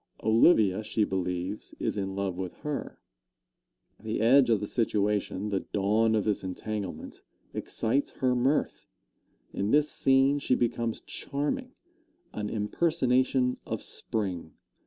Olivia, she believes, is in love with her. The edge of the situation, the dawn of this entanglement, excites her mirth. In this scene she becomes charming an impersonation of Spring.